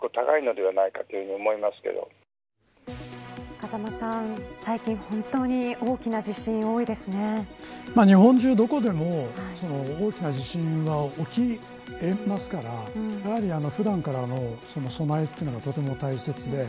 風間さん、最近本当に日本中どこでも大きな地震は起き得ますから普段からの備えというのがとても大切で。